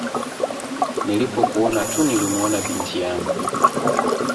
Nilipokuona tu nilimuona binti yangu